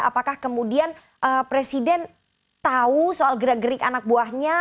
apakah kemudian presiden tahu soal gerak gerik anak buahnya